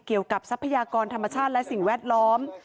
เกี่ยวกับทรัพยากรธรรมชาติและสิ่งแวดล้อม